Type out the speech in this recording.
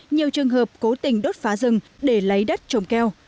nhiều trường hợp cố tình đốt phá rừng để lấy đất trồng keo